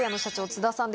津田さん。